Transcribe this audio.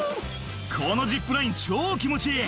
「このジップライン超気持ちいい！」